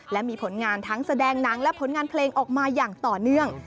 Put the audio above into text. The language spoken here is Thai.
และมีผลงานทั้งแสดงหนังและผลงานเพลงออกมาอย่างต่อเนื่อง